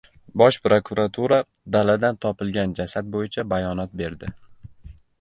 Bosh prokuratura daladan topilgan jasad bo‘yicha bayonot berdi